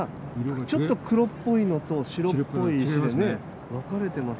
ちょっと黒っぽいのと白っぽいので分かれています。